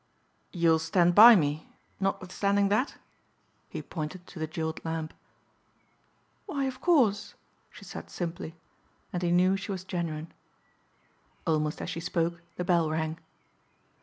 "You'll stand by me notwithstanding that?" he pointed to the jeweled lamp. "Why of course," she said simply, and he knew she was genuine. Almost as she spoke the bell rang.